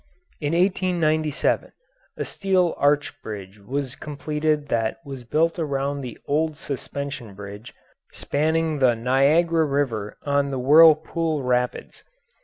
In 1897, a steel arch bridge was completed that was built around the old suspension bridge spanning the Niagara River over the Whirlpool Rapids.